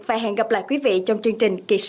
và hẹn gặp lại quý vị trong chương trình kỳ sau